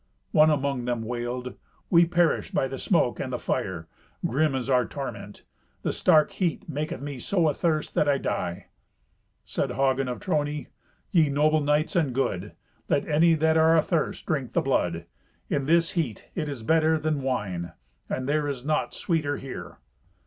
One among them wailed, "We perish by the smoke and the fire. Grim is our torment. The stark heat maketh me so athirst, that I die." Said Hagen of Trony, "Ye noble knights and good, let any that are athirst drink the blood. In this heat it is better than wine, and there is naught sweeter here."